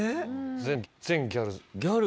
全然ギャル。